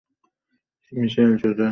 Missile সোজা তোমার পেছনে রয়েছে, রুস্টার।